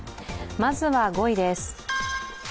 まずは、５位です。